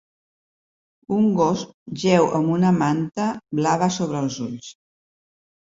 Un gos jeu amb una manta blava sobre els ulls.